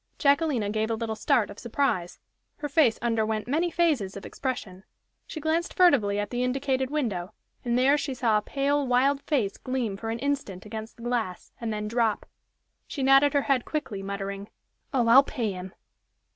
Jacquelina gave a little start of surprise her face underwent many phases of expression; she glanced furtively at the indicated window, and there she saw a pale, wild face gleam for an instant against the glass, and then drop. She nodded her head quickly, muttering: "Oh, I'll pay him!"